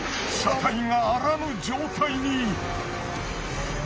車体があらぬ状態に。